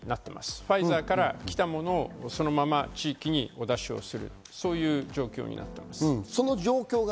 ファイザーから来たものをそのまま地域にお出しをするという状況になっています。